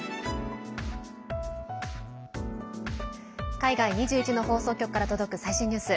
海外２１の放送局から届く最新ニュース。